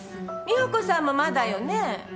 美保子さんもまだよね？